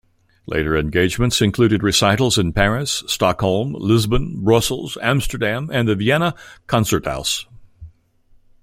Later engagements included recitals in Paris, Stockholm, Lisbon, Brussels, Amsterdam and the Vienna Konzerthaus.